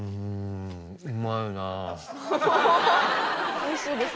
おいしいですか。